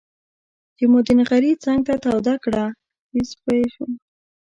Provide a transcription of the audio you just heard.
چې مو د نغري څنګ ته توده کړه تيزززز به یې شو.